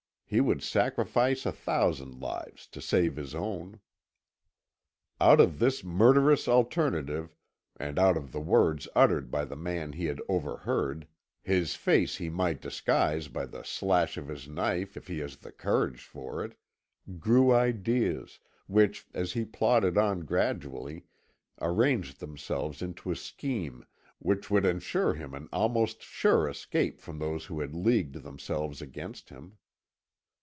He would sacrifice a thousand lives to save his own. Out of this murderous alternative and out of the words uttered by the man he had overheard, "His face he might disguise by a slash of his knife if he has courage for it" grew ideas which, as he plodded on gradually arranged themselves into a scheme which would ensure him an almost sure escape from those who had leagued themselves against him.